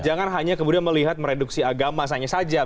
jangan hanya kemudian melihat mereduksi agama saja